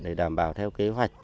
để đảm bảo theo kế hoạch